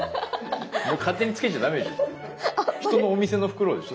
もう勝手に付けちゃダメでしょ。